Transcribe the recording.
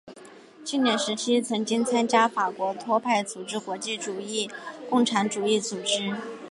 青年时期曾经参加法国托派组织国际主义共产主义组织。